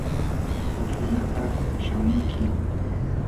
pukllanapaq shamunki.